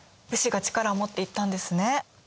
武士が力を持っていったんですね。